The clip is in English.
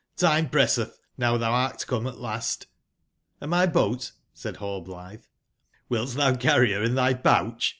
time pressetb, now tbou art come at last"j^"Hnd my boat?" said Rallblitbe j^"QIilt tbou carry ber in tby poucb?"